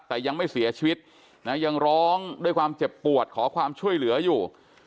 แต่ยังไม่เสียชีวิตนะยังร้องด้วยความเจ็บปวดขอความช่วยเหลืออยู่